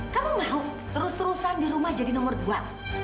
kalau mau terus terusan di rumah jadi nomor dua